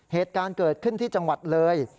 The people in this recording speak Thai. เหตุการณ์เกิดขึ้นที่จังหวัดเลย